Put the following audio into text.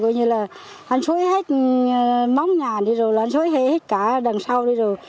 coi như là ăn sói hết móng nhà đi rồi ăn sói hết cả đằng sau đi rồi